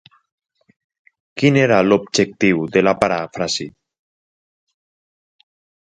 Quin era l'objectiu de la paràfrasi?